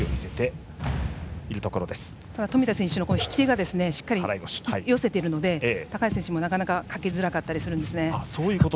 冨田選手の引き手がしっかり引き寄せているので高橋選手もなかなかかけづらかったりするんです。